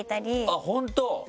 あっ本当？